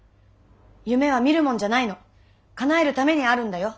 夢は見るもんじゃないのかなえるためにあるんだよ！